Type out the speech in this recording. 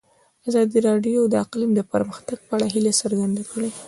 ازادي راډیو د اقلیم د پرمختګ په اړه هیله څرګنده کړې.